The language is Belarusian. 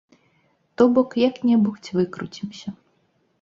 То бок, як-небудзь выкруцімся.